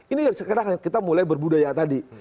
ini sekarang kita mulai berbudaya tadi